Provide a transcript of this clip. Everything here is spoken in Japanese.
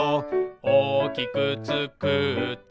「おおきくつくって」